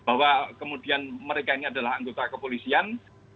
bahwa kemudian mereka ini adalah anggota kepolisian